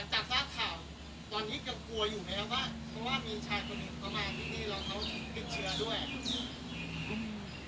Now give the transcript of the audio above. เพราะว่ามีชายคนอื่นก็มาที่นี่ติดเชื้อด้วย